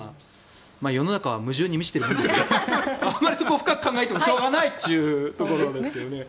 世の中は矛盾に満ちているものなのであまりそこを深く考えてもしょうがないというところなんですけどね。